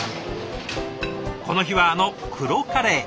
この日はあの黒カレー。